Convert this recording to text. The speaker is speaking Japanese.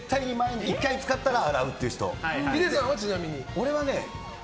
俺はね